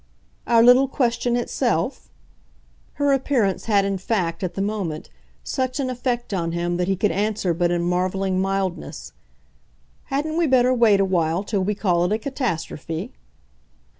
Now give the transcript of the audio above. "Our little question itself?" Her appearance had in fact, at the moment, such an effect on him that he could answer but in marvelling mildness. "Hadn't we better wait a while till we call it a catastrophe?"